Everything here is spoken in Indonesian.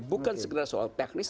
bukan sekedar soal teknis